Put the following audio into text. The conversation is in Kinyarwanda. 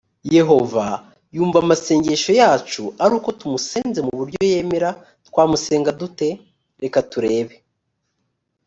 yehova yumva amasengesho yacu ari uko tumusenze mu buryo yemera twamusenga dute reka turebe